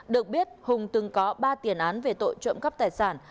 được biết hùng từng có ba tiền án về tội trộm cắp tài sản